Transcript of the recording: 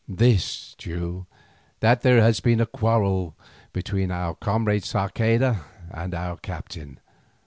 "This, Teule; that there has been a quarrel between our comrade Sarceda and our captain.